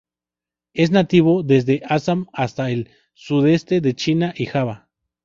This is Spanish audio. Es nativo desde Assam hasta el sudeste de China y Java.